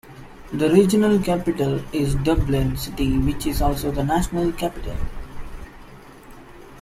The regional capital is Dublin City which is also the national capital.